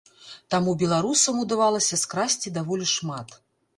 Таму беларусам удавалася скрасці даволі шмат.